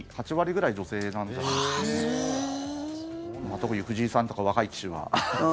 特に藤井さんとか若い棋士が。